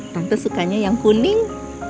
tante sukanya yang kuning